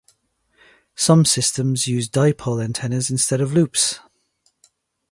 Some systems used dipole antennas instead of loops.